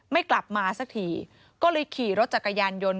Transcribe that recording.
ไม่กลับมาสักทีก็เลยขี่รถจักรยานยนต์